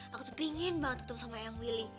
aku tuh pengen banget ketemu sama yang willy